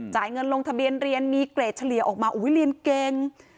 เงินลงทะเบียนเรียนมีเกรดเฉลี่ยออกมาเรียนเก่ง